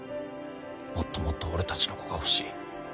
もっともっと俺たちの子が欲しい。